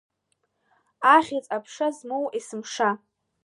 Ахьӡ-аԥша змоу есымша!